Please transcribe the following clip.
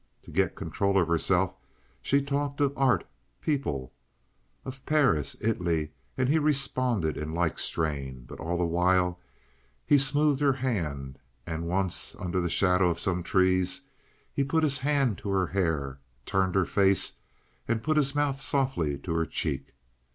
To get control of herself she talked of art, people, of Paris, Italy, and he responded in like strain, but all the while he smoothed her hand, and once, under the shadow of some trees, he put his hand to her hair, turned her face, and put his mouth softly to her cheek.